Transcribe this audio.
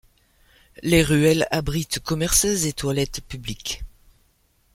Les ruelles abritent commerces et toilettes publics.